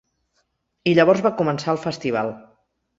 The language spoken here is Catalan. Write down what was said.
I llavors va començar el festival.